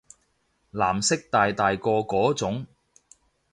藍色大大個嗰種